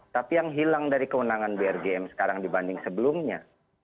tapi yang hilang dari kewenangan brgm sekarang dibanding sebelumnya